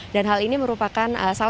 dan hal ini merupakan salah satu